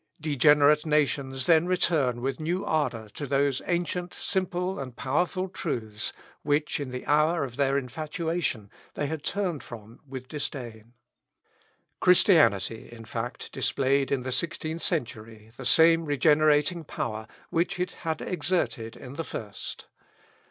Degenerate nations then return with new ardour to those ancient, simple, and powerful truths, which, in the hour of their infatuation, they had turned from with disdain. Christianity, in fact, displayed in the sixteenth century the same regenerating power which it had exerted in the first.